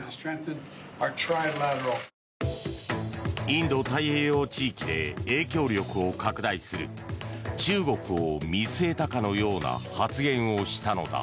インド太平洋地域で影響力を拡大する中国を見据えたかのような発言をしたのだ。